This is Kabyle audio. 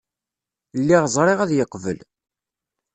Lliɣ ẓriɣ ad yeqbel.